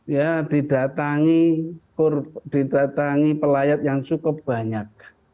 ya didatangi pelayat yang cukup banyak